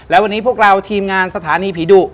และวันนี้พวกเราทีมงานสถานีผีดุ